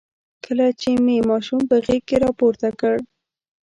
کله چې مې ماشوم په غېږ کې راپورته کړ.